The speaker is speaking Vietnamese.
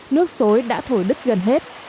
nước xối đã thổi đứt gần hết